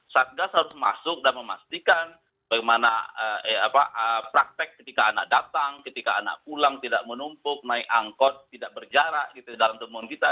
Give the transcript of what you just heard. satgas harus masuk dan memastikan bagaimana praktek ketika anak datang ketika anak pulang tidak menumpuk naik angkot tidak berjarak gitu dalam temuan kita